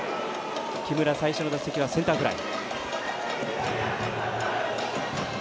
木村最初の打席はセンターフライ。